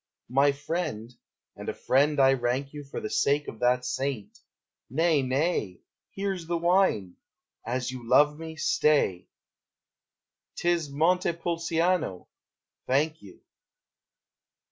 My friend! (and a friend I rank you For the sake of that saint,) nay, nay! Here's the wine, as you love me, stay! 'T is Montepulciano! Thank you.